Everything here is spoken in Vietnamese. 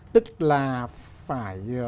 tức là phải